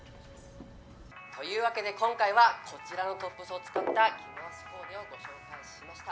というわけで今回はこちらのトップスを使った着回しコーデをご紹介しました。